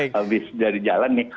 habis dari jalan nih